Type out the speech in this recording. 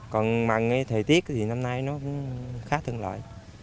còn mặn thời tiết thì năm nay nó khá thận lợi